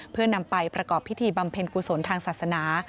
เพื่อนำไปประกอบพิธีบำเพ็ญกุศลทางศาสนา